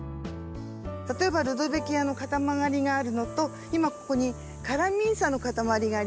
例えばルドベキアの固まりがあるのと今ここにカラミンサの固まりがあります。